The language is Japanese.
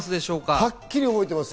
はっきり覚えてます。